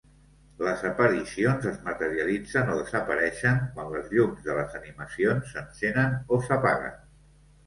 Les aparicions es materialitzen o desapareixen quan les llums de les animacions s'encenen o s'apaguen.